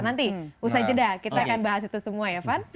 nanti usai jeda kita akan bahas itu semua ya van